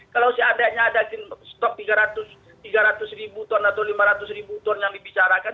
kalau seandainya ada stok tiga ratus ribu ton atau lima ratus ribu ton yang dibicarakan